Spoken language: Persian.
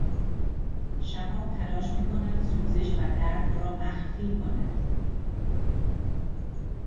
شهاب تلاش می کند سوزش و درد را مخفی کند